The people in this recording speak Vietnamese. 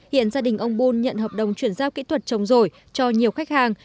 hiện gia đình ông bun nhận hợp đồng chuyển giao kỹ thuật trồng rổi cho nhiều khách hàng